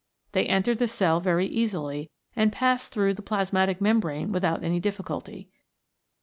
They enter the cell very easily and pass through the plasmatic membrane without any difficulty.